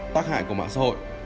tác hại của mạng xã hội